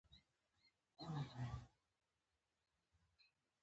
د اوسنۍ ایتوپیا او اریتریا سیمې دي.